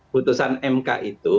putusan mk itu